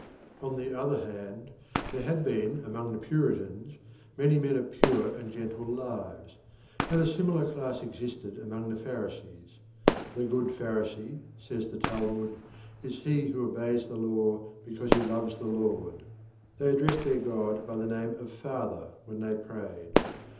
On the other hand, there had been among the Puritans many men of pure and gentle lives, and a similar class existed among the Pharisees. The good Pharisee, says the Talmud, is he who obeys the law because he loves the Lord. They addressed their god by the name of "Father" when they prayed.